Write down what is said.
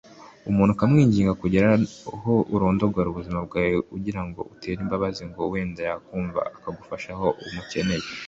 umuntu ukamwinginga kugera naho urondogora ubuzima bwawe umuganyira utera imbabazi ngo wenda yakumva akagufasha aho umukeneye